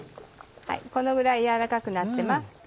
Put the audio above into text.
このぐらい軟らかくなってます。